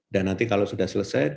dan nanti kalau sudah selesai